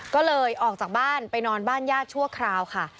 ก็เลยออกจากบ้านไปนอนบ้านญาติชั่วคราวค่ะ